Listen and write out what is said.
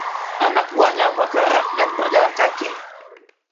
Anak buahnya bergerak dengan berjalan kaki.